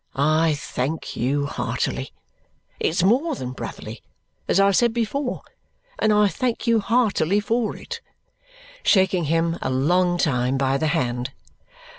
I thank you heartily. It's more than brotherly, as I said before, and I thank you heartily for it," shaking him a long time by the hand.